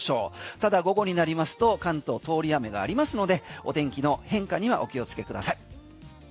ただ、午後になりますと関東、通り雨がありますのでお天気の変化にはお気をつけください。